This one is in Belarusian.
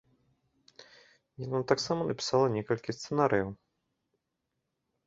Яна таксама напісала некалькі сцэнарыяў.